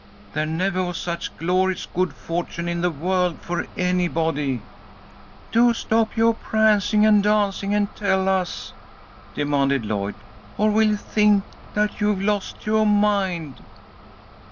There never was such glorious good fortune in the world for anybody!" "Do stop yoah prancing and dancing and tell us," demanded Lloyd, "or we'll think that you've lost yoah mind."